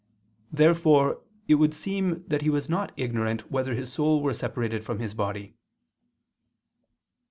Therefore it would seem that he was not ignorant whether his soul were separated from his body.